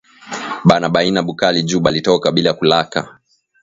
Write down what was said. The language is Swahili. Bana baima bukali ju balitoka bila kulaka